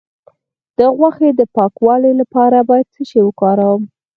د غوښې د پاکوالي لپاره باید څه شی وکاروم؟